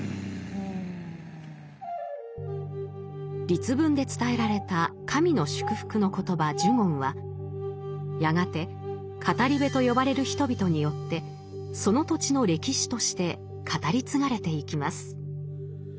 律文で伝えられた神の祝福の言葉「呪言」はやがて語部と呼ばれる人々によってその土地の歴史として語り継がれていきます。